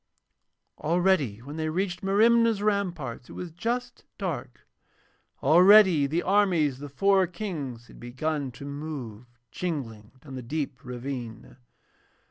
Already when they reached Merimna's ramparts it was just dark, already the armies of the four Kings had begun to move, jingling, down the deep ravine.